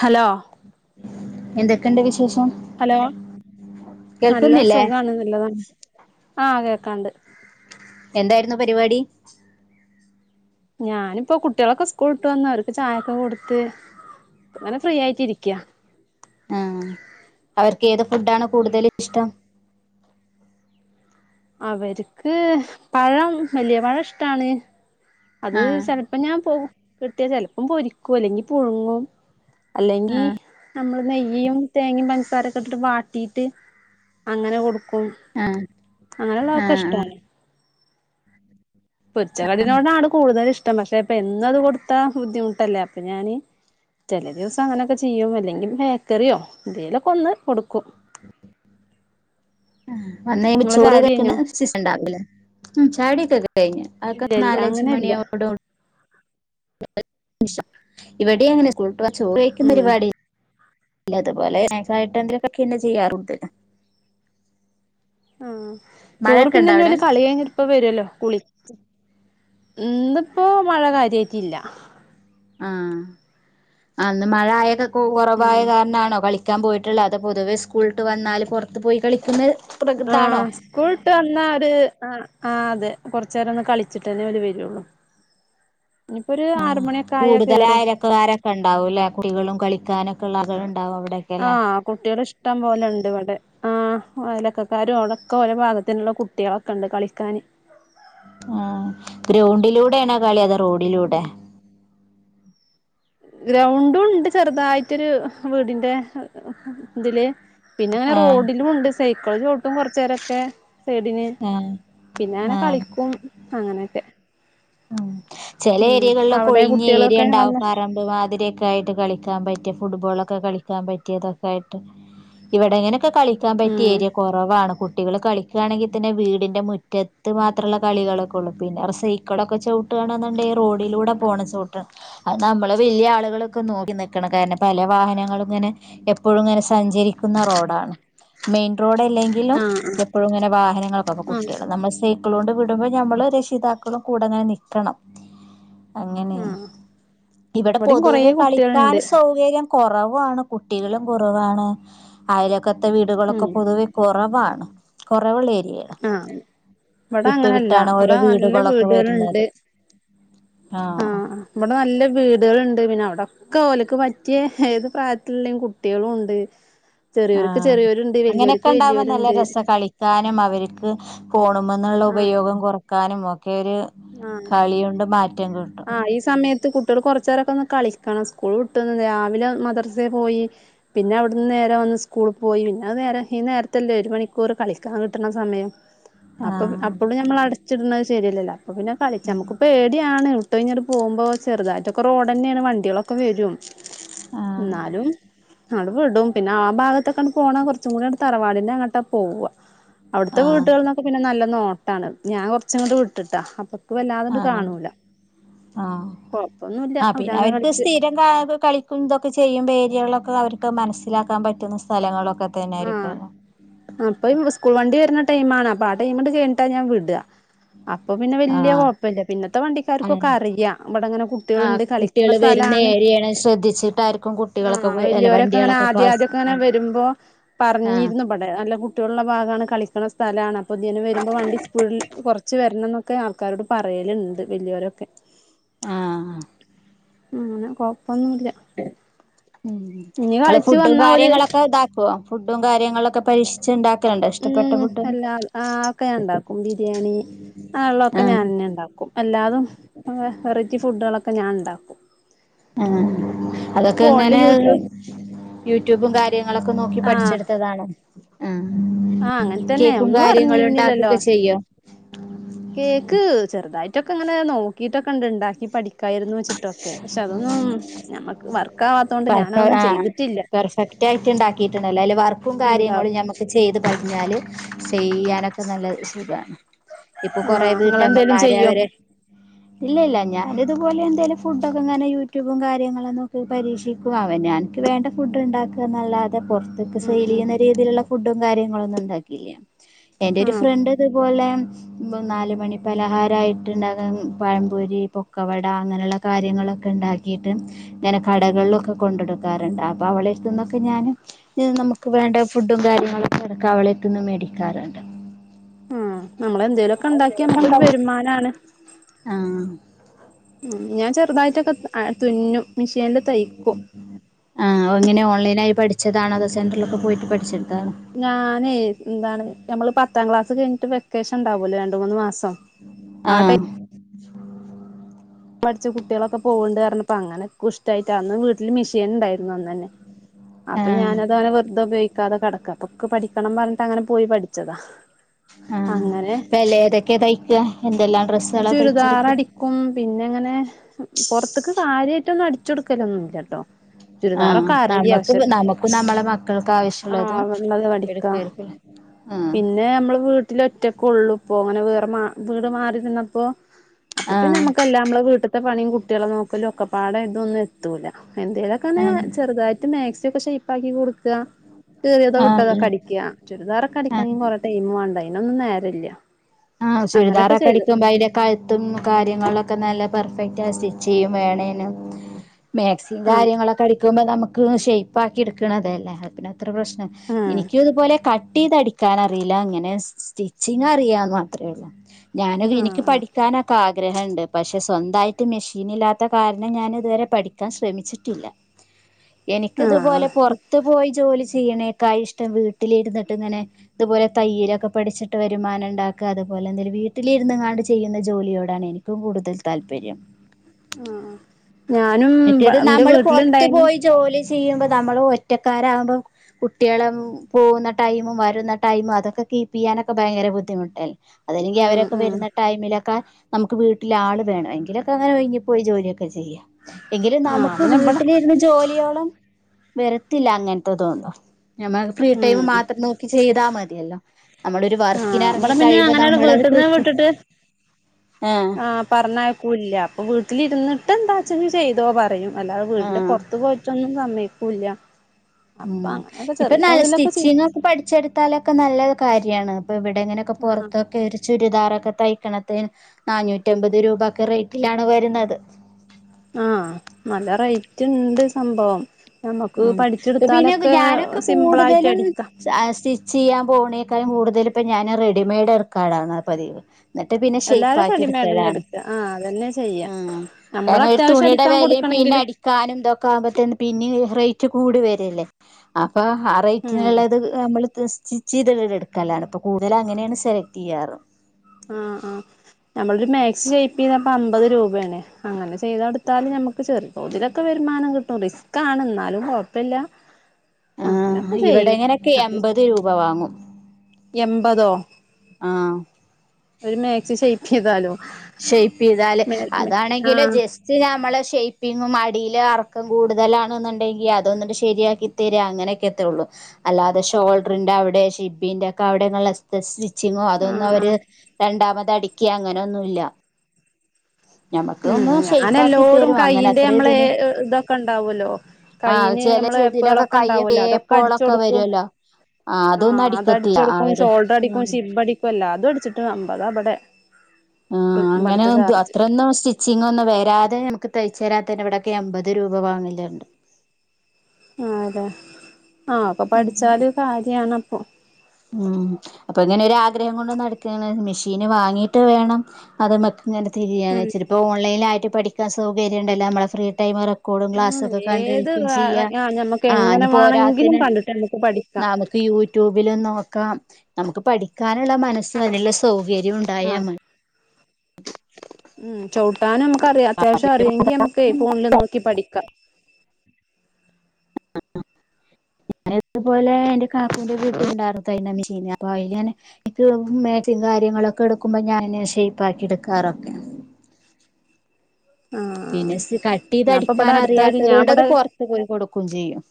Hello എന്തക്കെണ്ട് വിശേഷം? Hello നല്ല കേൾക്കുന്നില്ലേ സുഖാണ് നല്ലത് ആഹ് കേക്കാണ്ട്. എന്തായിരുന്നു പരിപാടി ഞാനിപ്പൊ കുട്ടീളൊക്കെ സ്കൂൾട്ട് വന്ന് അവർക്ക് ചായൊക്കെ കൊടുത്ത് ങ്ങന ഫ്രീ ആയിറ്റിരിക്ക ആഹ് അവർക്ക് ഏത് ഫുഡ്ഡാണ് കൂടുതല് ഇഷ്ടം അവര്ക്ക് പഴം വല്യെ പഴം ഇഷ്ടാണ് അത് ആ ചെലപ്പൊ ഞാൻ പോ കിട്ട്യ ചെലപ്പം പൊരിക്കും അല്ലെങ്കി പുഴുങ്ങും അല്ലെങ്കി ആ നമ്മള് നെയ്യും തേങ്ങിം പൻസാരൊക്കെ ഇട്ട് വാട്ടീട്ട് അങ്ങനെ കൊട്ക്കും ആ ആ ആ അങ്ങനള്ളതൊക്കഷ്ടാണ് പൊരിച്ചതിനോടാണ് കൂടുതലിഷ്ട്ടം പക്ഷെ എന്നൊത് കൊടുത്താ ബുദ്ധിമുട്ടല്ലേ അപ്പൊഞാന് ചെലെ ദിവസം അങ്ങനൊക്കെ ചിയ്യും അല്ലെങ്കി ബേക്കറ്യോ എന്തേലെക്കൊന്ന് കൊട്ക്കും വന്ന് കയ്യുമ്പം നിങ്ങളെ ചോറ് ചായുടി കയ്ക്കണ കഴിഞ്ഞോ സീസണ്ടാവുലെ ചായുടി ഒക്കെ കഴിഞ്ഞാ അതൊക്കെ ഇല്ല ഇല്ല അങ്ങനെ നാലഞ്ച് മണി ഇല്ല ആവൂടൊ [unintelligible] [unintelligible] ഇവിടെ അങ്ങനെയാ സ്കൂൾ വിട്ട ചോറ് കയ്ക്ക്ണ ഉം പരിപാടി ഇല്ല അത്പോലെ സ്നാക്സായിട്ട് എന്തേലൊക്കെ ചെയ്യാറുണ്ട് ആഹ് ചോറ് മഴയൊക്കെ ഉണ്ടോ അവിടെ പിന്നെഞ്ഞോല് കളി കഴിഞ്ഞ് ഇപ്പ വരല്ലൊ കുളി ഇന്ന്പ്പൊ മഴ കാര്യായിറ്റില്ല ആഹ് ഇന്ന് മഴ ആയൊക്കെ കൊറവായ കാർണാണൊ കളി കളിക്കാൻ പോയിറ്റ്ള്ള അത് പൊതുവെ സ്കൂള്ട്ട് വന്നാല് പൊറ്ത്ത് പോയി കളിക്ക്ന്നെ ആഹ് സ്കൂൾട്ട് വന്നാ ഒര് ആഹ് ആഹാ അതെ കൊറച്ചേരൊന്ന് കള്ച്ചിട്ടന്നെ ഓല് വരൊള്ളു ഇനിപ്പൊര് ആറ് മണിക്കായാ കേറും ക്കാരൊക്കണ്ടാവുല്ലെ കുട്ടികളും കളിക്കാനൊള്ള ആള്കള്ണ്ടാവും അവടെ ആഹ് കുട്ടിയള് ഇഷ്ട്ടം പോലണ്ട് ഇവടെ ആഹാ അയലൊക്കക്കാരും അവടൊക്കെ ഓല പാഗത്തിന്ള്ള കുട്ടീളൊക്കണ്ട് കളിക്കാന് ആഹ് ഗ്രൗണ്ടിലൂടെ ആണോകളി അതൊ ഉം ഗ്രൗണ്ടുണ്ട് ചെറ്തായിട്ടൊര് വീടിന്റെ ഇതില് പിന്നെ അങ്ങനെ ആഹ് റോഡിലുഉണ്ട് സൈക്കിൾ ചൗട്ടും കൊറച്ചേ രൊക്കെ സൈഡിന് ആഹ് പിന്ന അങ്ങനെ ആഹ് കളിക്കും അങ്ങനൊക്കെ ചെല ഏരികൾലൊക്കെ അവിടെ ഒഴിഞ്ഞ കുട്ടികളൊക്കെ വന്ന് ഏരിയണ്ടാവുകാരം മാതിരിയൊക്കെ ആയിട്ട് കളിക്കാൻ പറ്റ്യ ഫുട്ബോളൊക്കെ കളിക്കാൻ പറ്റിയതക്കായിട്ട് ഇവിടേങ്ങനൊക്കെ കളിക്കാൻ പറ്റ്യ ഉം ഏരിയ കൊറവാണ് കുട്ടികള് കളി ക്കാണെങ്കിതന്നെ വീടിന്റെ മുറ്റത്ത് മാത്രള്ള കളികളൊക്കൊള്ളു പിന്നേട് സൈ ക്ക്ളൊക്കെ ചൗട്ടാണെന്ന്ണ്ടെങ്കി റോഡിലൂടെ പോണം ചൗട്ടാൻ അത് നമ്മള് വല്യ ആള്കളൊക്കെ നോക്കി നിക്കണം കാര്ണം പല വാഹനങ്ങളും ഇങ്ങനെ എപ്പഴും ഇങ്ങന സഞ്ചരിക്കുന്ന റോഡാണ് മെയിൻ റോഡല്ലെങ്കിലും ആഹ് എപ്പഴും ഇങ്ങനെ വാഹനങ്ങളൊക്കെ ആഹ് കുട്ടീയളെ ഞമ്മള് സൈ ക്കിളുമക്കളോണ്ട് വിടുമ്പൊ ഞമ്മള് രക്ഷിതാക്കളും കൂടെങ്ങന നിക്കണം അങ്ങനേണ് ആഹ് ഇവടെ ഇവിടെയും കൊറേ പൊതുവെ കുട്ടികളുണ്ട് കളിക്കാരെ സൗ കര്യംകൊറവാണ് കുട്ടികളും കൊറവാണ് അയലോക്കത്തെ വീടുകളൊക്കെ ഉം പൊതുവെ കൊറവാ കൊറവ്ള്ള ഏര്യേണ് ആഹ് ഇവട അങ്ങനല്ല ഇവട ഓരോ നല്ല വീടുകളൊക്കെ വീടേള്ണ്ട് വരുന്നത് ആഹ് ഇവടെ നല്ല വീടേള്ണ്ട് പിന്ന അവിട ക്കോല്ക്ക് പറ്റ്യെ ഏത് പ്രായത്തില്ള്ളേം കുട്ടീളുണ്ട് ചെറിയോർക്ക് ആഹ് ചെറിയോര്ണ്ട് വല്യോർക്ക് വല്യോര്ണ്ട് ക്കാനും അവര്ക്ക് ഫോണ് മെ ന്ന്ള്ള ആഹ് ഉപയോഗം കൊറക്കാനും ഒക്കെ ഓര് കളിയോണ്ട് മാറ്റം കിട്ടും ആ ഈ സമയത്ത് കുട്ടികൾ കൊറ ചേരൊക്കെ ഒന്ന് കളിക്കണം സ്കൂൾ വിട്ടുന്ന് രാവിലെ മദർസെ പോയി പിന്നവിട്ന്ന് നേരെ വന്ന് സ്കൂള് പോയി പിന്നത് നേരം ഈ നേരത്തല്ലേ ഒരു മണിക്കൂർ കളിക്കാൻ കിട്ട്ണ സമയം അപ്പൊ ആഹ് അപ്പളും ഞമ്മളടച്ചിട്ണത് ശരിയല്ലല്ല അപ്പ പിന്നെ കളിച്ച നമ്മക്ക് പേടിയാണ് വിട്ടഴിഞ്ഞിട്ട് പോവുമ്പൊ ചെറുതായിട്ടൊക്കെ റോഡെന്നേണ് ണ് വണ്ടിയളൊക്ക വരും ആഹ് ന്നാലും അത് വിടും പിന്നെ ആ ഭാഗത്തക്കൺ പോണ കുറച്ചും കൂടെ തറവാടിന്റെ അങ്ങട്ട പോവാ അവിട്ത്തെ ആഹ് വീട്ടേൾന്നൊക്കെ പിന്ന നല്ല നോട്ടാണ് ഞാൻ കൊറച്ച്ങ്ട്ട് വിട്ട്ട്ടാ അപ്പ വല്ലാതണ്ട് ആഹ് കാണൂല ആഹ് കൊഴപ്പൊന്നുല്ല അവലാന കളിച്ച് വാത് കളിക്കും തൊക്കെ ചെയ്യുമ്പേരിയളൊക്കെ അവർക്ക് മനസ്സിലാക്കാൻ പറ്റുന്ന സ്ഥലങ്ങളൊക്കെ തന്നേരിപ്പോ അപ്പം സ്കൂൾ വണ്ടി വര്ന്ന ടൈമാണ് അപ്പോ ആ ടൈമട്ട് കയി ഞ്ഞിട്ടാ ഞാൻ വിടാ അപ്പൊ പിന്നെ വല്യ ആഹ് കുഴപ്പല്ല പിന്നത്തെ ആഹ് വണ്ടിക്കാർക്കൊക്ക റിയാ ഇബടെങ്ങനെ ആഹ് കുട്ട്യേള്ണ്ട് കളി ന്ന കുട്ടികള് വരുന്ന സ്ഥലാണ് ഏരിയാണ് ശ്രദ്ധിച്ചിട്ടായിരിക്കും കുട്ടികളൊക്കെ ആഹ് അല്ല വല്ല്യോരൊക്കെ അങ്ങനെ വണ്ടികളൊക്കെ പാസ് ആദ്യാദ്യൊക്കെങ്ങനെ വരുമ്പോ ആഹ് പറഞ്ഞിരുന്നു ബടെ നല്ല കുട്ട്യോ ള്ള്ള ഭാഗാണ് കളിക്കണ സ്ഥലാണ് ത്യേനെ വരുമ്പോ വണ്ടി സ്പീഡ് കുറച്ച് വരണം ന്നൊക്കെ ആൾക്കാരോട് പറയല്ണ്ട് വല്ല്യോരൊക്കെ ആഹ്ആഹ അങ്ങനെ കൊഴപ്പൊന്നുല്ല ഉം ങ്ങള് ഫുഡും വന്നാ ഒരു കാര്യങ്ങളൊക്കെ താക്കോ ഫുഡും കാര്യങ്ങളൊക്കെ പരീക്ഷിച്ച്ണ്ടാക് ഉം അല്ല ആ ഒക്കെഞാണ്ടാക്കും ബിരിയാണി ആ ള്ളൊക്കെ ആഹ് ഞാനെന്നെ ണ്ടാക്കും എല്ലാതും വ വെറൈറ്റി ഫുഡ്ഡോ ളൊക്കെ ഞാൻ ണ്ടാക്കും ആഹ് അതൊക്കെ ഫോണില് ങ്ങനെ യൂട്യൂബ് യൂട്യൂബും കാര്യങ്ങളൊക്കെ നോക്കി ആഹ് പഠിച്ചെടുത്തതാണോ ആഹ് അങ്ങനെ തന്നെ കേക്കും ഒന്നും കാര്യങ്ങളു അറിഞ്ഞിരുന്നില്ലല്ലോ ണ്ടാക്കൊക്കെ ചെയ്യോ കേക്ക് ചെറുതായിട്ടൊക്കെ ങ്ങനെ നോക്കിട്ടൊക്കെ ണ്ട് ണ്ടാക്കി പഠി ക്കായ്രുന്നു ച്ചിട്ടൊക്കെ പക്ഷെ അതൊന്നും ഞമ്മക്ക് വർക്കാവാത്തതോണ്ട് ഞാനതന്നും ചെയ്തിട്ടില്ല പെർഫെക്റ്റായിട്ട് ണ്ടാക്കിട്ട് ണ്ടല്ലോ അയില് വർക്കും എന്താ കാര്യങ്ങളുംഞമ് ചെയ്ത് പാടിഞ്ഞാല് ചെയ്യാനൊക്കെ നല്ല സുഖാണ് ഇപ്പൊ കൊറേ ആഹ് നിങ്ങളെന്തേലും വീട്ടമ്മമാര് ചെയ്യോ അവരെ ഇല്ല ഇല്ല ഞാന് ഇതേ പോലെ എന്തേലും ഫുഡൊക്കെ ഇങ്ങനെ യൂട്യൂബും കാര്യങ്ങളൊന്നൊക്കെ പരീക്ഷിക്കുംഅവനാൻ ക്ക് വേണ്ട ഫുഡ് ഉണ്ടാക്കാന്നല്ലാതെ പൊറത്ത്ക്ക് ഉം ഉം സെയിലിയ്യുന്ന രീതീല്ള്ള ഫുഡും കാര്യങ്ങളും ഒന്നും ഉണ്ടാക്കിയില്ല എന്റെ ര് ആഹ് ഫ്രണ്ട് ത്പോലെ നാല് മണി പലഹാരായിട്ട്ണ്ടാക്ക പഴം പൊരി പൊ ക് കവട അങ്ങനെള്ള കാര്യങ്ങളക്കെ ണ്ടാക്കീട്ട് ങ്ങനെ കടകളിലൊക്കെ കൊണ്ടൊടുക്കാറ്ണ്ട് അപ്പൊ അവളെര്ത്ത്ന്നൊക്കെ ഞാന്.. ത് നമുക്ക് വേണ്ട ഫുഡും കാര്യങ്ങളൊക്കെ ഇടക്ക വളെത്ത്ര്ന്ന് മേടിക്കാറുണ്ട് ആ നമ്മളെ ന്തേലൊക്കെ ണ്ടാക്കി നമുക്കൊരു വരുമാനാണ് ആഹ് ഉം ഞാൻ ചെറുതായിട്ടൊക്കെ അ തുന്നും മിഷീനിൽ തയ്ക്കും ആഹ് ഒങ്ങനെ ഓൺലൈൻ ആയി പഠിച്ചതാണോ അതോ സെന്ററിലൊക്കെ പോയിട്ട് പഠിച്ചെടുത്തതാ ഞാനേയ് എന്താണ് ഞമ്മള് പത്താം ക്ലാസ് കയ്ഞ്ഞിട്ട് വെക്കേഷ ണ്ടാവൂലെ രണ്ട് മൂന്ന് മാസം [inaudible] ആഹ് പഠിച്ച കുട്ടികളൊക്കെ പോവ്ണ്ട് റഞ്ഞപ്പ ങ്ങനെക്കുഷ്ടായിട്ട് അന്ന് വീട്ടില് മിഷീന്ണ്ടായിരുന്നു അന്ന ന്നെ [unintelligible] ആ അപ്പ ഞാനത്അങ്ങനെ വെർത പയോഗിക്കാതെ കെടക്ക അപ്പൊക്ക് പഠിക്കണം പറഞ്ഞിട്ട് അങ്ങനെ പോയി പഠിച്ചതാ ആഹ് അങ്ങനെ പ്പ ല്ലെ ഏതൊക്കെ തയ്ക്ക എന്തെല്ലാം ഡ്രസ്സുകളാ തയ്ച്ചെടുക്ക ക്കും പിന്നെ ങ്ങനെ പൊറത്ത്ക്ക് കാര്യയിട്ടൊന്നും അടിച്ചു കൊടുക്കലൊന്നുല്ലട്ടോ ആ ചുരിദാറൊക്കെ അറിയ നമുക്ക് പക്ഷെ നമുക്കും നമ്മളെ മക്കൾക്ക് ആവശ്യമുള്ളതും ആവ്ണത് അടിക്കാ എടുക്കായിരിക്കും ആ പിന്നെ അമ്മള് വീ ട്ടിലൊറ്റക്കൊള്ളു ഇപ്പോ അങ്ങനെ വേറെമാ വീട് മാറി നിന്നപ്പോ ആ അപ്പൊപിന്നെ ഞമ്മക്കല്ലാംമ്മളെ വീ വീട്ട്ത്തെ പണി കുട്ടിയാളെ നോക്കലു ഒക്കപാടെ ഇതൊന്നും എത്തൂല ആ എന്തേലൊക്കെന്ന് ചെറുതായിട്ട് മാക്സിഒക്കെ കൈഷപ്പാക്കി കൊട് ക്കാ കീറിയതോ ആ വിട്ടതോകടിക്ക ആ ചുരിദാറൊക്കെടിക്കണെങ്കി കൊറെ ടൈം വാണ്ടേ അയിനൊന്നും നേരല്ല ആഹ് അങ്ങനൊക്കെ ചെയ്തു ചുരിദാറൊക്കെടിക്കുമ്പോ അയ്ന്റെ കഴുത്തും കാര്യങ്ങളിലൊക്കെ നല്ല പെർഫെക്റ്റ് ആയി സ്റ്റിച്ച്യ്യും വേണേനും മാക്സി ത്തി ആഹ് കാര്യങ്ങളൊക്കെ അടിക്കുമ്പോനമുക്ക് ഷേയ്പ്പാക്കി ഇ ട്ക്ക്ണതല്ലേ പിന്നെ ഇത്ര പ്രശ്നം ആഹ് ഇനിക്കും ഇതുപോലെ കട്ടിത അടിക്കാനറയില്ല ഇങ്ങനെ സ്റ്റിച്ചിങ് അറിയാന്ന് മാ ത്രോള്ളു ഞാന് ഇനിക്ക് ആഹ് പഠിക്കാനൊക്കെആ ഗ്രഹണ്ട് പക്ഷെ സ്വന്തായിട്ട് മിഷീനില്ലാത്ത കാരണം ഞാന് ഇതുവരെ പഠിക്കാൻ ശ്രമിച്ചിട്ടില്ല [inaudible] എനിക്ക് ആഹ് ആഹ് ഇതുപോലെ പുറത്ത് പോയി ജോലി ചെയ്യണേകായിഇഷ്ടം വീട്ടിലിരുന്നിട്ട് ഇങ്ങനെ തുപോലെ തയ്യലൊക്കെ പടിച്ചിട്ട് വരുമാനണ്ടാ ക്ക അതുപോലെ എന്തേലും വീട്ടിലിര്ന്ന്ങ്ങാണ്ട് ചെയ്യുന്ന ജോലിയോടാണ് എനിക്കും കൂടുതൽ താല്പര്യം ഞാനും മറ്റേത് ഇന്റെ നമ്മള് പുറത്ത് വീട്ടില്ണ്ടായിരുന്നു പോയി ജോലി ചെയ്യുമ്പോ നമ്മള് ഒറ്റക്കാരാവുമ്പോ കുട്ടികളും പോകുന്ന ടൈമും വരുന്ന ടൈമും അതൊക്കെ കീപ്പ്യ്യാനൊക്കെ ഭയങ്കരബുദ്ധിമു ട്ടൽ അതല്ലെങ്കി ഉം അവരൊക്കെ ഉം വരുന്ന ടൈമിലൊക്കെ നമുക്ക് വീട്ടില് ആള് വേണം എങ്കിലൊക്കെ അങ്ങനെ വൈകിപ്പോയി ജോലിയൊക്കെ ചെയ്യാം എങ്കിലും ആഹ് നമുക്ക് പിന്നെ ഇബടെ വീട്ടിലിരുന്ന് ജോലിയോളം വരത്തില്ല അങ്ങനത്തെതൊന്നും ഞമ്മ ഫ്രീ ടൈം ഉം മാത്രം നോക്കി ചെയ്താ മതിയല്ലോ നമ്മളൊരു ആഹ് വർക്കിനറങ്ങി ഇബടെ പിന്നെ കഴിയുമ്പോ അങ്ങനാണ്ട് നമ്മളത് വീട്ട്ന്ന് കൃത്യം വിട്ടിട്ട് ആഹ് ആഹ് പറഞ്ഞയക്കൂല്ല അപ്പൊ വീട്ടിലിരുന്നിട്ട് എന്താച്ചജ്ജ് ചെയ്തോ പറയും അല്ലാതെ വീടിന്റെ ആഹ് പുറത്ത് പോയിട്ടൊന്നും സമയ്ക്കൂല്ല ഉംഇപ്പൊ നല്ല സ്റ്റിച്ചിങ്ങൊക്കെ പഠിച്ചെടു കത്താലൊക്കെ നല്ല കാര്യാണ് ഇപ്പൊ ഇവടെങ്ങനെക്കെ ആഹ് പുറത്തൊക്കെഒരു ചുരിദാറൊക്കെ തയ്ക്കണത്തി നാനൂറ്റമ്പത്ത് രൂപ ഒക്കെ റേറ്റിലാണ് വരുന്നത് ആഹ് നല്ല റേറ്റ്ണ്ട് സംഭവം നമക്ക് ഉം ഇപ്പൊ പഠിച്ചെടുത്താലൊക്കെ സിമ്പിളായിറ്റ് അടിക്ക സ്ചാ സ്റ്റിച്ച്യ്യാ പോണേക്കായും കൂടുതലപ്പൊ ഞാന് റെഡിമെയ്ഡ് എട്ക്കാറാണ് പതിവ് എന്നിട്ട് പിന്നെ എല്ലാരും ഷെയ്പ്പാക്കി റെഡിമെയ്ഡന്നെ എടുക്കലാണ് എടുക്ക ആഹ് അതന്നെ ചെയ്യാ ആഹ് നമ്മള് കാരണം ഒരു അത്യാവശ്യം തുണിയുടെ അടിക്കാൻ വെലീം കൊടുക്കണെങ്കിലും പിന്നെഅടി കാനും ഇതൊക്കെ ആവുമ്പോത്ത്ന് പിന്നി റേറ്റ് കൂടിവരല്ലേ അപ്പൊ ഉം ആറേറ്റിനുള്ളത് നമ്മള്ത്ത് സ്റ്റി ച്ചീത്ങ്ങട്ട് എടുക്കലാണ് ഇപ്പൊ കൂടുതല അങ്ങനെണ് സെലക്ട്യ്യാറ് ആഹ് ആഹ് ഞമ്മളൊരു മാക്സിഷെയ്പ്പീതാപ്പ അമ്പത് രൂപയാണ് അങ്ങനെ ചെയ്തെടുത്താല് നമ്മ ക്ചെറുപ്പ് ഇതിലൊക്കെ വരുമാനം കിട്ടും റിസ്കാണ്ന്നാലും കുഴപ്പില്ല അങ്ങനൊക്കെ ചെയ്യും അത് ത്ത് രൂപ വാങ്ങും എമ്പതോ ആഹ് ഒരു േമക്സി ശയിപ്പിതാലോ ശൈപീതാല് അതാണെങ്കില് ആഹ് ജസ് ച്ച് കഴിഞ്ഞ നമ്മളെ ഷേപ്പിങ്ങും അടീല് അറക്കം കൂടുതലാണെന്നുണ്ടെങ്കി അതൊന്ന്ണ്ട് ശരിയാക്കി ത്തരാ അങ്ങനെക്കെത്തേ ഉള്ളൂ അല്ലാതെ ഷോൾട്രിന്റെ അവടെ ഷിബിന്റെഒക്കെ അവടെനല്ല സ്റ്റി ച്ചിങ്ങോ അതൊന്നും ആഹ് അവര് ആഹ് രണ്ടാമത് അടിക്കെ അങ്ങനൊന്നുല്ല ഞമ്മക്ക് ഉം ഒന്ന് ഷേയ്പ്പ് ആക്കി ഞനല്ലോടും തരും അങ്ങനെ കയ്യിന്റെ അത്ര നമ്മളെ ഇതിന് ഇതൊക്കെണ്ടാവല്ലോ ആ കയ്യ്ന് ചെല നമ്മള് ഇതിനൊക്കെ കയ്യ പേളൊക്കെണ്ടാവൂലോ അതൊക്കെ തേപ്പോളൊക്കെ അടിച്ചൊടുക്കും വരുവല്ലോ ആ അതൊന്നും ആഹ് അതടിച്ച് അടിക്കത്തില്ല കൊടുക്കും അവര് ഷോൾഡർ അടിക്കും ഉം ഷിബ് അടിക്കുംഎല്ലാതും അടിച്ചിട്ട് അമ്പതാ ഇബടെ ആഹ് അങ്ങനെദു അത്രോന്നും സ്റ്റി ച്ചിങ്ങൊന്നും വരാതെ നമുക്ക് തയ്ച്ച തരാ തന്നെ ഇവിടക്കെ എമ്പത് രൂപ വങ്ങില്ണ്ട് ആ അതെ ആഹ അപ്പൊ അങ്ങനെ പഠിച്ചാലും കാര്യണ അപ്പൊ ഉം അപ്പൊ ഇങ്ങനൊരാഗ്രഹം കൊണ്ട് നടക്കാണ് മെഷീന് വാങ്ങീട്ട് വേണം അത് മക് ഇങ്ങനെ ഉം തിരിയാണ്ച്ചരിപ്പോ ഓൺ ലൈനായിട്ട് പഠിക്കാൻ സൗകര്യംണ്ടല്ലോ നമ്മള ഫ്രീ ടൈമറക്കെ കൂടും ഉം ക്ലാസ്സൊക്കെ ഏത് കണ്ടഴിക്കും ചെയ്യ. ആഹ് ഞമ്മക്ക് ആ എങ്ങനെ ഇഞ്ഞി വാണെങ്കിലും പോരാത്തിന് കണ്ടിട്ട് നമ്മക്ക് പഠിക്കാം നാമ യൂട്യൂബിൽ നോക്കാം നമുക്ക് പഠിക്കാനുള്ള മനസ്അതിനുനുള്ള സൗകര്യം ഉണ്ടായാ ആഹ് മ ഉം ചവിട്ടാനും നമുക്ക അറിയാം അത്യാവശ്യം അറിയെങ്കിൽ നമുക്ക് ഫോണില് നോക്കി പഠിക്കാം [unintelligible] പോലെ ഞാനൻ്റെ കാക്കൂൻ്റെ വീട്ടിലുണ്ടായിരുന്നു തെയ്യൽമിഷീന് അപ്പോ അയ്ല് ഞാന് ഇക്ക് മേക്സിം കാര്യങ്ങളൊക്കെ എടുക്കുമ്പോ ഞാന് ഷേപ്പ് ആക്കി എടുക്കാറൊക്കെ ആഹ് പിന്നെ സ് കട്ടീത് ഞാൻപ്പ ഇവിടെ അടുത്തായിട്ട് അറിയാത്തത് ഞാൻ കൊണ്ട് അത് ഇവിടെ പുറത്ത് പോയി കൊടുക്കും ചെയ്യും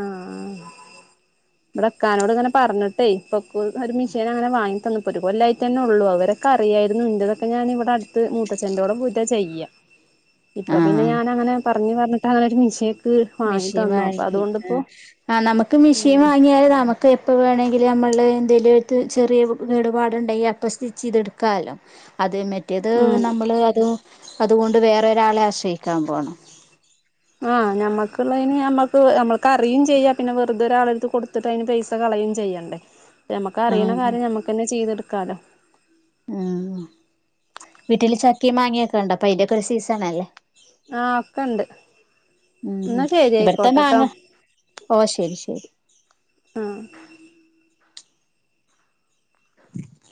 ആഹ് ആ ഇവിടെക്കാനോട് ഇങ്ങനെ പറഞ്ഞിട്ടേ ഇപ്പക്കു ഒരു മിഷീൻ അങ്ങനെ വാങ്ങി നുപത് കൊല്ലായിട്ടന്നെഉള്ളൂ അത്‌വരെക്കെ അറിയായിരുന്നു ന്റെതൊക്കെ ഞാനിവിടെ അടുത്ത് മൂത്തച്ചന്റോടെ പോയിട്ടാ ചെയ്യാ ഇപ്പൊ പിന്നെ ആഹ് ഞാൻ അങ്ങനെ പറഞ്ഞഞ് പറഞ്ഞിട്ട് അങ്ങനെ ഒരു മിഷിം മെഷീൻ വാങ്ങി ആ ആ നമുക്ക് മെഷീൻ ഉം വാങ്ങിയാൽ നമുക്ക് എപ്പോ വേണമെങ്കിൽ നമ്മൾ എന്തങ്കിലു ആയിറ്റ് ചെറിയ കേടുപാടുണ്ടെങ്കിൽ അപ്പൊസ്റ്റിച്ച്- യ്തെടുക്കാാലോ അതെ മറ്റേത് ഉം നമ്മള് അത് അതുകൊണ്ട് വേറെരാളെ ആശ്രയിക്കാൻ പോണം ആഹ് നമ്മക്കുള്ളതിന് നമ്മക്ക് നമ്മക്ക് അറിയും ചെയ്യാം പിന്നെ വെറുതെരാളെടുത്ത് കൊടുത്തിട്ട് അയിന് പൈസ - സകളയും ചെയ്യണ്ടേ നമുക്ക് ആ അറിയുന്ന കാര്യം നമ്മക്കന്നെ ചെയ്തെടുക്കാലോ ഉം വീട്ടില് ചക്കിംമാങ്ങിഒക്കെ ഉണ്ടോ പ്പൊഅയിന്റെക്കെ ഒരു സീസൺല്ലേ ആഹ് ഒക്കെണ്ട് ഉം എന്നാ ശരി ഇവിടത്തെ ആയിക്കോട്ടെട്ടോ മാങ്ങ ഓ ശരി ശരി ആഹ്